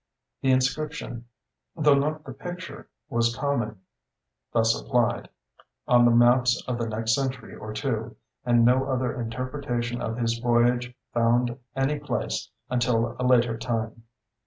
The inscription, though not the picture, was common, thus applied, on the maps of the next century or two, and no other interpretation of his voyage found any place until a later time.